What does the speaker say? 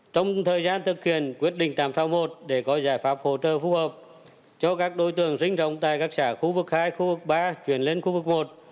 trong thời gian thực hiện quyết định tám sau một để có giải pháp hỗ trợ phù hợp cho các đối tượng dính rộng tại các xã khu vực hai khu vực ba chuyển lên khu vực một